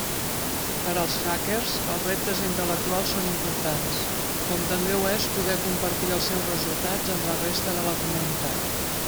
Per als hackers, els reptes intel·lectuals són importants, com també ho és poder compartir els seus resultats amb la resta de la comunitat.